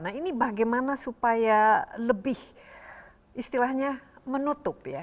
nah ini bagaimana supaya lebih istilahnya menutup ya